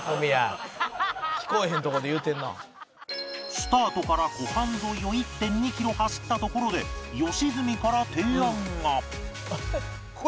スタートから湖畔沿いを １．２ キロ走ったところで良純から提案が